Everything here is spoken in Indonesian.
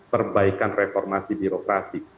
perbaikan reformasi birokrasi